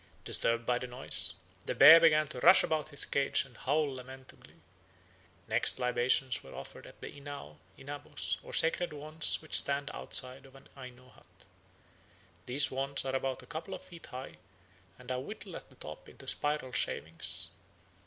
Disturbed by the noise, the bear began to rush about his cage and howl lamentably. Next libations were offered at the inao (inabos) or sacred wands which stand outside of an Aino hut. These wands are about a couple of feet high, and are whittled at the top into spiral shavings.